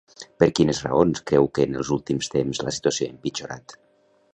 Per quines raons creu que, en els últims temps, la situació ha empitjorat?